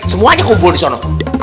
semuanya kumpul di sana